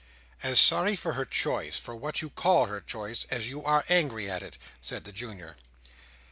"As sorry for her choice—for what you call her choice—as you are angry at it," said the Junior.